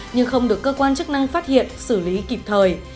nhưng không được cơ quan chức năng phát hiện xử lý kịp thời